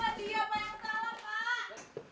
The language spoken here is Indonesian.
pak dia yang salah pak